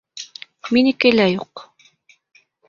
Минеке лә юҡ.